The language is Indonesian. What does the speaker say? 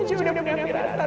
na'ju udah punya pira sa'rat